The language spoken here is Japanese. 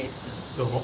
・どうも。